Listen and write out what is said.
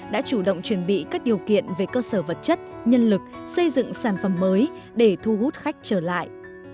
đã chủ động chuẩn bị các điều kiện về cơ sở vật chất nhân lực xây dựng sản phẩm mới để thu hút khách trở lại